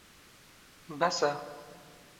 بەسە.